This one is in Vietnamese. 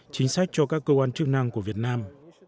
chính sách cho các cơ quan chức năng của việt nam